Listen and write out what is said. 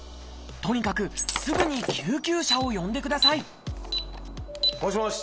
とにかくすぐに救急車を呼んでくださいもしもし。